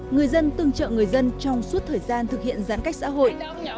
người dân tương trợ người dân trong suốt thời gian thực hiện giãn cách xã hội